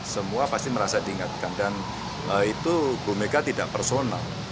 semua pasti merasa diingatkan dan itu bumega tidak personel